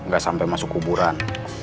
gak sampai masuk kuburan